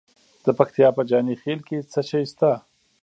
د پکتیا په جاني خیل کې څه شی شته؟